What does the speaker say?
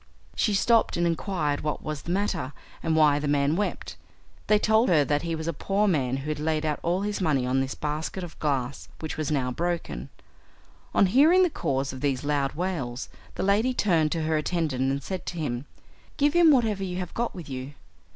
She stopped and inquired what was the matter, and why the man wept. They told her that he was a poor man who had laid out all his money on this basket of glass, which was now broken. On hearing the cause of these loud wails the lady turned to her attendant and said to him, "Give him whatever you have got with you."